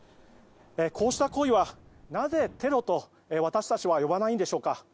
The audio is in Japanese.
こうした行為はなぜテロを私たちは呼ばないんでしょうか。